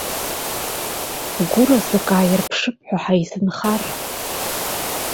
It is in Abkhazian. Гәыразрак ааирԥшып ҳәа ҳаизынхар.